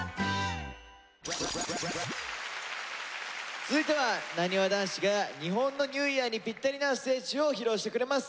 続いてはなにわ男子が日本のニューイヤーにぴったりなステージを披露してくれます。